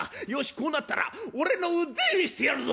こうなったら俺の腕見せてやるぞ」。